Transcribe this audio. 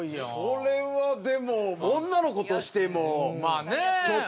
それはでも女の子としてもちょっと。